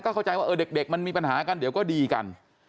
เข้าใจว่าเด็กมันมีปัญหากันเดี๋ยวก็ดีกัน